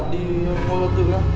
đi ngôi văn tượng á